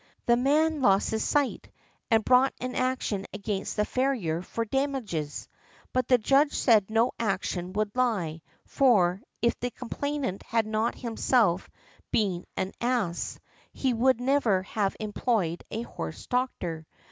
The man lost his sight, and brought an action against the farrier for damages; but the Judge said that no action would lie, for, if the complainant had not himself been an ass, he would never have employed a horse doctor.